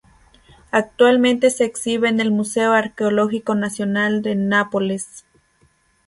Actualmente se exhibe en el Museo Arqueológico Nacional de Nápoles.